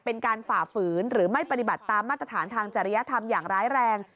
ฝ่าฝืนหรือไม่ปฏิบัติตามมาตรฐานทางจริยธรรมอย่างร้ายแรง